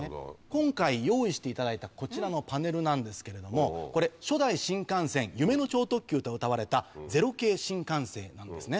今回用意していただいたこちらのパネルなんですけれどもこれ初代新幹線「夢の超特急」とうたわれた０系新幹線なんですね。